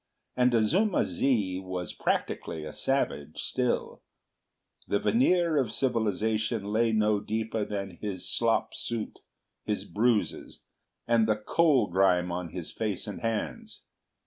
And Azuma zi was practically a savage still; the veneer of civilisation lay no deeper than his slop suit, his bruises, and the coal grime on his face and hands.